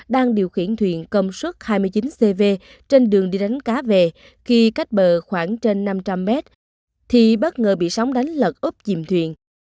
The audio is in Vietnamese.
đang điều khiển thuyền công suất hai mươi chín cv trên đường đi đánh cá về khi cách bờ khoảng trên năm trăm linh mét thì bất ngờ bị sóng đánh lật úp chìm thuyền